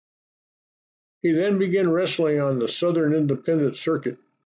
He then began wrestling on the Southern independent circuit.